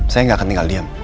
saya nggak akan tinggal diam